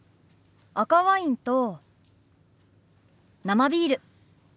赤ワインと生ビール。